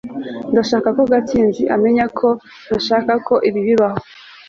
ndashaka ko gatsinzi amenya ko ntashakaga ko ibi bibaho